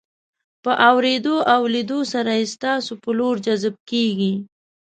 په اورېدو او لیدو سره یې ستاسو په لور جذب کیږي.